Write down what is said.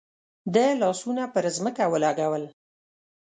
ده لاسونه پر ځمکه ولګول.